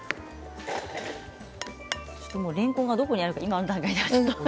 れんこんがどこにあるのか今の段階ではね。